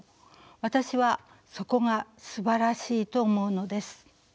私はそこがすばらしいと思うのです。